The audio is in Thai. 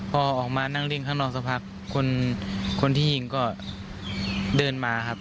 พอออกมานั่งเล่นข้างนอกสักพักคนที่ยิงก็เดินมาครับ